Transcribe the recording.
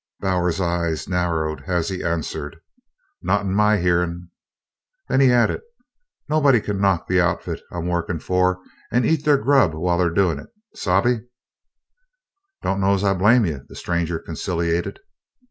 Bowers's eyes narrowed as he answered: "Not in my hearin'." Then he added: "Nobody can knock the outfit I'm workin' for and eat their grub while they're doin' it. Sabe?" "Don't know as I blame you," the stranger conciliated.